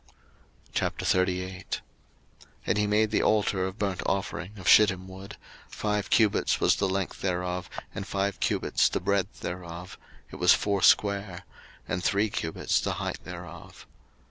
02:038:001 And he made the altar of burnt offering of shittim wood: five cubits was the length thereof, and five cubits the breadth thereof; it was foursquare; and three cubits the height thereof.